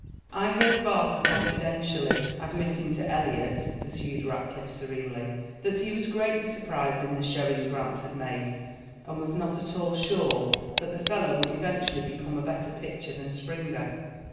"I heard Barker confidentially admitting to Eliot," pursued Rackliff serenely, "that he was greatly surprised in the showing Grant had made and was not at all sure but the fellow would eventually become a better pitcher than Springer."